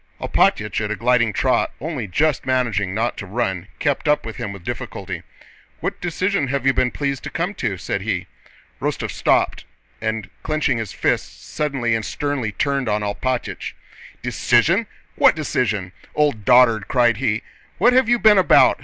Alpátych at a gliding trot, only just managing not to run, kept up with him with difficulty. "What decision have you been pleased to come to?" said he. Rostóv stopped and, clenching his fists, suddenly and sternly turned on Alpátych. "Decision? What decision? Old dotard!..." cried he. "What have you been about?